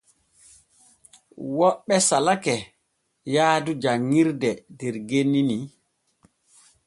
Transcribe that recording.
Woɓɓe salake yaadu janŋirde der genni ni.